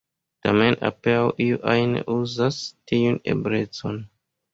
Tamen apenaŭ iu ajn uzas tiun eblecon.